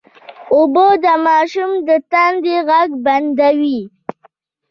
اوبه د ماشوم د تندې غږ بندوي